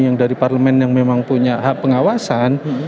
yang dari parlemen yang memang punya hak pengawasan